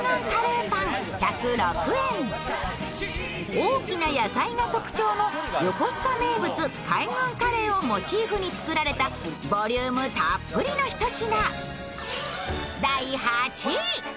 大きな野菜が特徴の横須賀名物、海軍カレーをモチーフに作られたボリュームたっぷりのひと品。